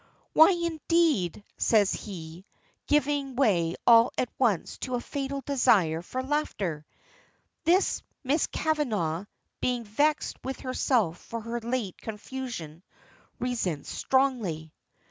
"Why indeed?" says he, giving way all at once to a fatal desire for laughter. This, Miss Kavanagh, being vexed with herself for her late confusion, resents strongly.